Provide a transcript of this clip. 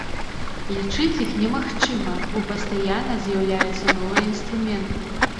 Лічыць іх немагчыма, бо пастаянна з'яўляюцца новыя інструменты.